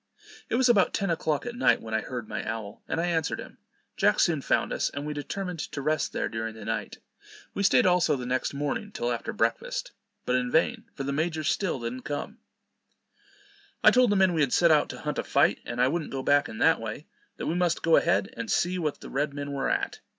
It was about ten o'clock at night, when I heard my owl, and I answered him. Jack soon found us, and we determined to rest there during the night. We staid also next morning till after breakfast: but in vain, for the major didn't still come. I told the men we had set out to hunt a fight, and I wouldn't go back in that way; that we must go ahead, and see what the red men were at.